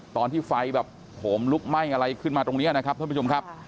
ตอนที่ไฟแบบโหมลุกไหม้อะไรขึ้นมาตรงนี้นะครับท่านผู้ชมครับ